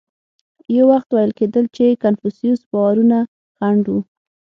یو وخت ویل کېدل چې کنفوسیوس باورونه خنډ و.